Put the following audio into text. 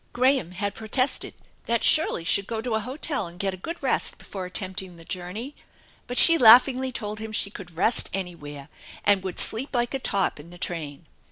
Graham had protested that Shirley should go to a hotel and get a good rest before attempting the journey, but she laughingly told him she could rest anywhere, and would sleep like a top in the train.